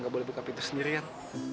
gak boleh buka pintu sendirian